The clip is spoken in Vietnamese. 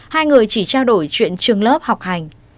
hai người chỉ trao đổi chuyện trường lớp học hành